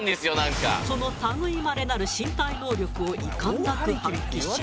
その類いまれなる身体能力をいかんなく発揮し。